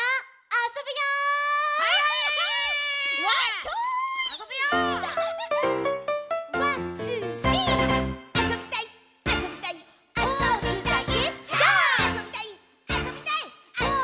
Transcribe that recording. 「あそびたいっ！」